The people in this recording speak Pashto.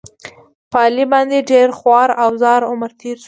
په علي باندې ډېر خوار او زار عمر تېر شو.